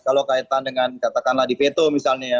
kalau kaitan dengan katakanlah di veto misalnya ya